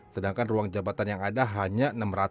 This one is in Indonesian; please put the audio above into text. sedangkan ruang jabatan yang ada hanya enam ratus tiga puluh enam